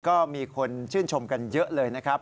ก็มีคนชื่นชมกันเยอะเลยนะครับ